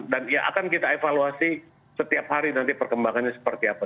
dan akan kita evaluasi setiap hari nanti perkembangannya seperti apa